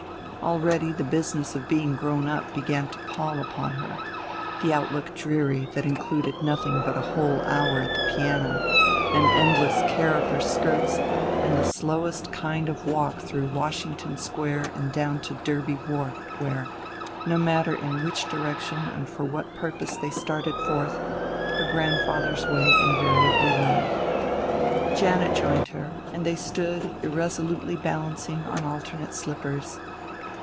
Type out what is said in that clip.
Already the business of being grown up began to pall upon her, the outlook dreary that included nothing but a whole hour at the piano, an endless care of her skirts, and the slowest kind of walk through Washington Square and down to Derby Wharf, where no matter in which direction and for what purpose they started forth her grandfather's way invariably led. Janet joined her, and they stood irresolutely balancing on alternate slippers.